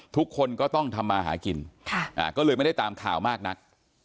ทุกคนก็ต้องทำมาหากินก็เลยไม่ได้ตามข่าวมากนัก